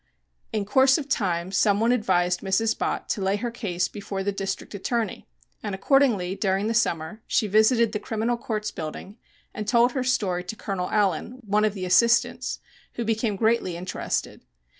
In course of time some one advised Mrs. Bott to lay her case before the District Attorney, and accordingly, during the summer, she visited the Criminal Courts Building and told her story to Colonel Allen, one of the assistants, who became greatly interested.